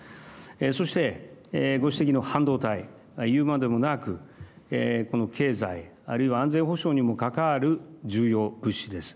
そして、ご指摘の半導体言うまでもなくこの経済、あるいは安全保障にも関わる重要物資です。